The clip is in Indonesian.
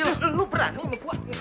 lu kan berani sama gua